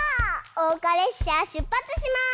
おうかれっしゃしゅっぱつします！